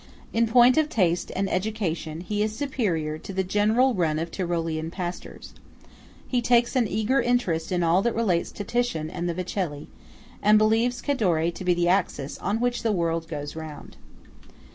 In point of taste and education he is superior to the general run of Tyrolean pastors. He takes an eager interest in all that relates to Titian and the Vecelli; and believes Cadore to be the axis on which the world goes round.